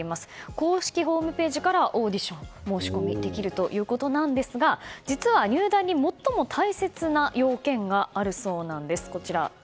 公式ホームページからオーディション申し込みできるということですが実は入団に最も大切な要件があるそうなんです。